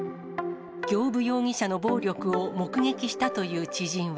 行歩容疑者の暴力を目撃したという知人は。